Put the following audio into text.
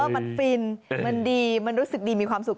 มันฟินมันดีมันรู้สึกดีมีความสุข